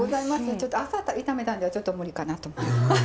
ちょっと朝炒めたのではちょっと無理かなと。